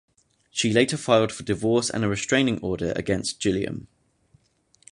She later filed for divorce and a restraining order against Gilliam.